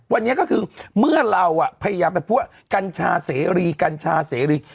วันนี้ก็คือเมื่อเราพยายามไปพูดว่ากัญชาเสรีกัญชาเสรี